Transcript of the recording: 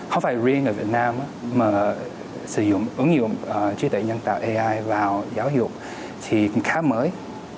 không phải riêng ở việt nam mà sử dụng ứng dụng trí tuệ nhân tạo ai vào giáo dục thì cũng khá mới